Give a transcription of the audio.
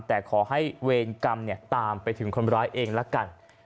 แต่ขอให้เวรกรรมตามไปถึงคนร้ายเองละกัน